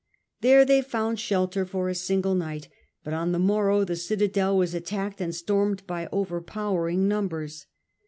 There they andsicw^^^ found shelter for a single night, but on Sabinus: the morrow the citadel was attacked and stormed by overpowering numbers.